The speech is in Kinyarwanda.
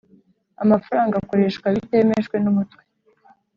amafaranga akoreshwa bitemejwe n Umutwe